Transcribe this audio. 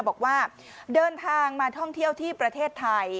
บอกว่าเดินทางมาท่องเที่ยวที่ประเทศไทย